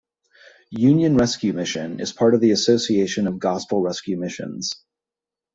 Union Rescue Mission is part of the Association of Gospel Rescue Missions.